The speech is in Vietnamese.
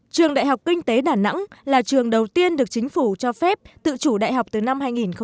trường đại học kinh tế đà nẵng là trường đầu tiên được chính phủ cho phép tự chủ đại học từ năm hai nghìn một mươi tám